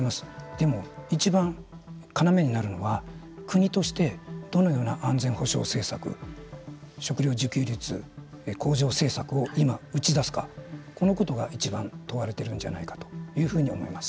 でも、いちばん要になるのは国としてどのような安全保障政策を食料自給率向上政策を今打ち出すかこのことが今いちばん問われているんじゃないかなと思います。